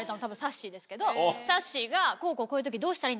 さっしーが。